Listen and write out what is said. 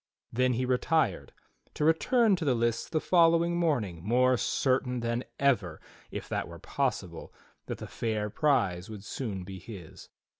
Then he retired, to return to the lists the following morning more certain than ever, if that were possible, that the fair prize would soon be his.